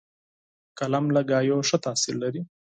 قلم له خبرو ښه تاثیر لري